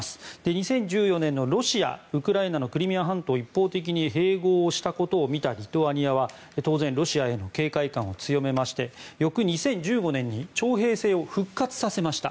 ２０１４年のロシアがウクライナのクリミア半島を一方的に併合したことを見たリトアニアは当然ロシアへの警戒感を強めまして翌２０１５年に徴兵制を復活させました。